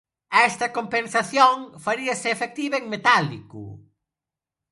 Esta compensación faríase efectiva en metálico.